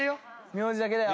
名字だけだよ。